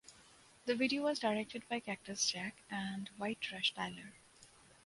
The video was directed by Cactus Jack and White Trash Tyler.